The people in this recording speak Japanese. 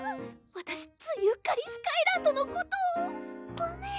わたしついうっかりスカイランドのことをごめん